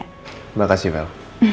terima kasih vel